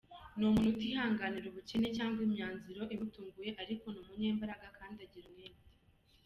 Ni umuntu utihanganira ubukene cyangwa imyanzuro imutunguye ariko ni umunyembaraga kandi agira umwete.